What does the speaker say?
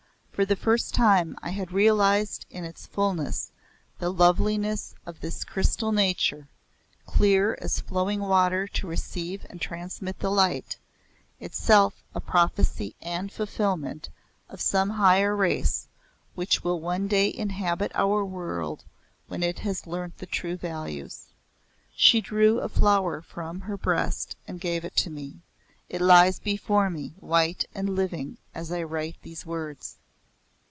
For the first time I had realized in its fulness the loveliness of this crystal nature, clear as flowing water to receive and transmit the light itself a prophecy and fulfilment of some higher race which will one day inhabit our world when it has learnt the true values. She drew a flower from her breast and gave it to me. It lies before me white and living as I write these words.